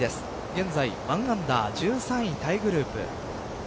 現在１アンダー１３位タイグループ。